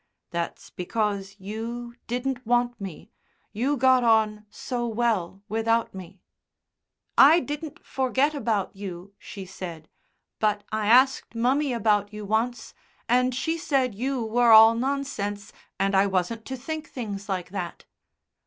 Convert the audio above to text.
"That's because you didn't want me. You got on so well without me." "I didn't forget about you," she said. "But I asked mummy about you once, and she said you were all nonsense, and I wasn't to think things like that."